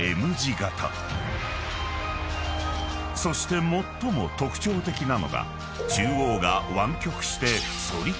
［そして最も特徴的なのが］